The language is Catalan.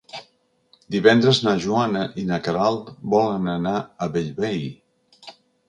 Divendres na Joana i na Queralt volen anar a Bellvei.